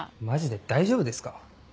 マジで大丈夫ですか？